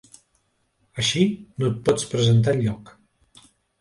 Així, no et pots presentar enlloc.